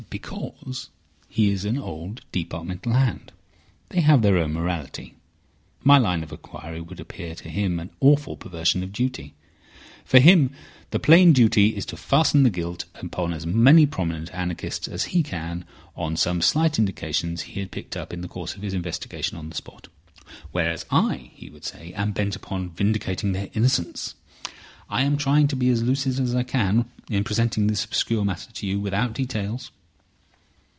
"Because he is an old departmental hand. They have their own morality. My line of inquiry would appear to him an awful perversion of duty. For him the plain duty is to fasten the guilt upon as many prominent anarchists as he can on some slight indications he had picked up in the course of his investigation on the spot; whereas I, he would say, am bent upon vindicating their innocence. I am trying to be as lucid as I can in presenting this obscure matter to you without details."